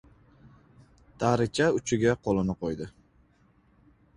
Daricha uchiga qo‘lini qo‘ydi.